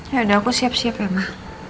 ya udah aku siap siap ya mak